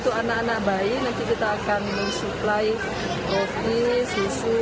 untuk anak anak bayi nanti kita akan mensuplai kopi susu